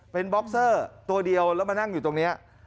เป็นบ็อกเซอร์ตัวเดียวแล้วมานั่งอยู่ตรงนี้